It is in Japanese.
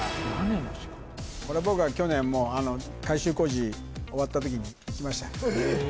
これ僕は去年もう改修工事終わった時に行きましたえっ！？